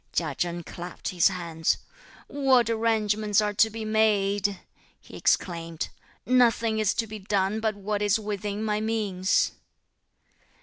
Chia Chen clapped his hands. "What arrangements are to be made!" he exclaimed; "nothing is to be done, but what is within my means."